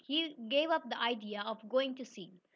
He gave up the idea of going to sea."